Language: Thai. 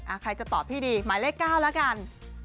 ใครจะตอบพี่ดีหมายเลข๙แล้วกัน